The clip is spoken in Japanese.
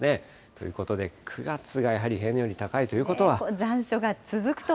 ということで、９月がやはり平年より高いということは。